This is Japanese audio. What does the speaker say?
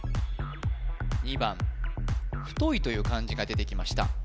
２番「太い」という漢字が出てきました